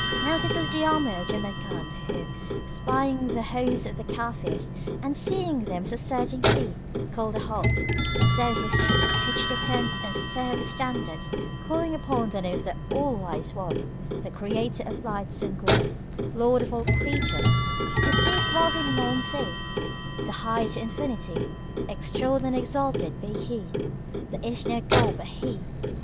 Now this was the army of Jamrkan who, espying the host of the Kafirs and seeing them as a surging sea, called a halt; so his troops pitched the tents and set up the standards, calling upon the name of the All wise One, the Creator of light and gloom, Lord of all creatures, Who seeth while Him none see, the High to infinity, extolled and exalted be He! There is no God but He!